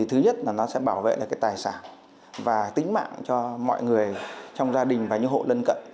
thứ nhất là nó sẽ bảo vệ được tài sản và tính mạng cho mọi người trong gia đình và những hộ lân cận